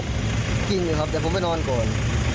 กินอยู่ครับแต่ผมไปนอนก่อน